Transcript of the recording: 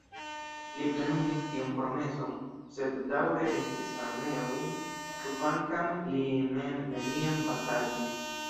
Li plenumis tiun promeson sed daŭre estris armeojn, kvankam li mem neniam batalis.